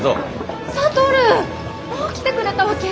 もう来てくれたわけ？